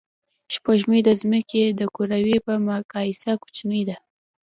سپوږمۍ د ځمکې د کُرې په مقایسه کوچنۍ ده